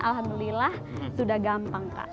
alhamdulillah sudah gampang kak